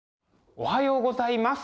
おはようございます。